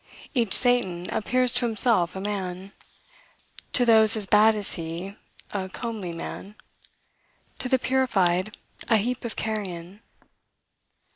Each Satan appears to himself a man; to those as bad as he, a comely man; to the purified, a heap of carrion.